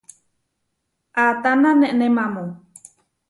¿Atána neʼnémamu?